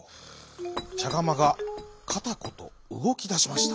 ちゃがまがカタコトうごきだしました。